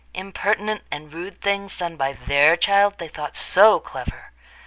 Impertinent and rude things done by their child they thought so clever!